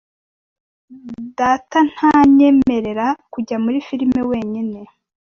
Data ntanyemerera kujya muri firime wenyine .